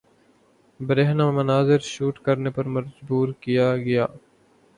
برہنہ مناظر شوٹ کرنے پر مجبور کیا گیا